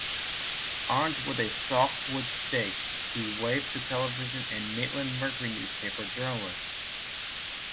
Armed with a softwood stake, he waved to television and Maitland Mercury newspaper journalists.